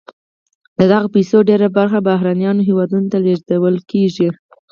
د دغه پیسو ډیره برخه بهرنیو هېوادونو ته لیږدول کیږي.